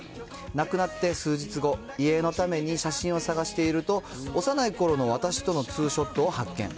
亡くなって数日後、遺影のために写真を探していると、幼いころの私とのツーショットを発見。